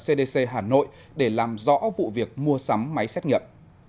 cdc hà nội để làm rõ vụ việc mua sắm máy xét nghiệm